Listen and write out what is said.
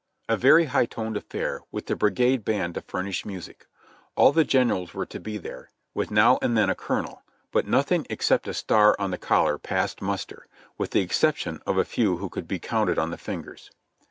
A very high toned affair, with the brigade band to furnish music. All the generals were to be there, with now and then a colonel ; but nothing except a star on the collar passed muster, with the exception of a few who could be counted on the fingers.